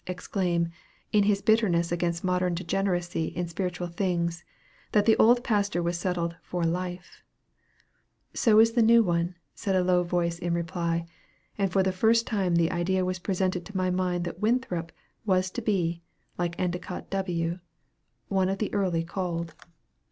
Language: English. exclaim, in his bitterness against modern degeneracy in spiritual things, that "the old pastor was settled for life." "So is the new one," said a low voice in reply; and for the first time the idea was presented to my mind that Winthrop was to be, like Endicott W., one of the early called.